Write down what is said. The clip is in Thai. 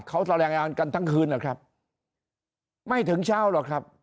เขาแถลงงานกันทั้งคืนนะครับไม่ถึงเช้าหรอกครับ